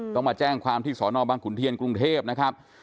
ต้องมาแจ้งความที่สอนอบังขุนเทียนกรุงเทพนะครับ